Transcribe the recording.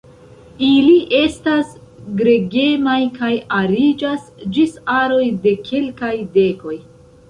Ili estas gregemaj kaj ariĝas ĝis aroj de kelkaj dekoj.